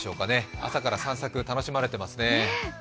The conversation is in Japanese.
朝から散策楽しまれていますね。